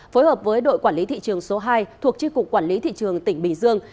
phối hợp với đội quản lý thị trường số hai thuộc tri cục quản lý thị trường tỉnh bình dương